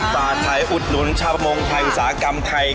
สาธัยอุดหนุนชาวประมงไทยอุตสาหกรรมไทย